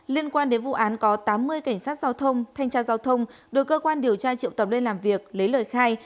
liên quan đến vụ án có tám mươi cảnh sát giao thông thanh tra giao thông được cơ quan điều tra triệu tập lên làm việc lấy lời khai